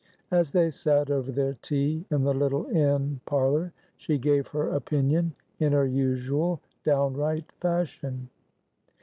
As they sat over their tea in the little inn parlour she gave her opinion in her usual downright fashion.